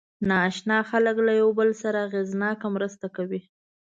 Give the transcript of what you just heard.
ناآشنا خلک له یو بل سره اغېزناکه مرسته کوي.